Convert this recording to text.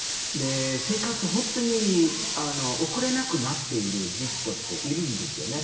生活、本当に送れなくなっている事実としているんですね。